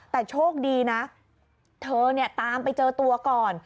แต่โชคดีนะเธอเนี่ยตามไปเจอตัวก่อน